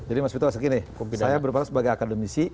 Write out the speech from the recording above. jadi mas wito seperti ini saya berpala sebagai akademisi